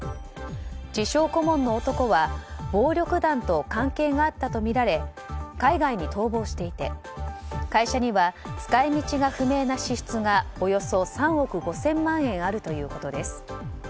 自称顧問の男は暴力団と関係があったとみられ海外に逃亡していて会社には使い道が不明な支出がおよそ３億５０００万円あるということです。